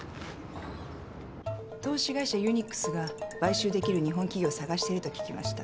投資会社ユニックスが買収できる日本企業を探していると聞きました。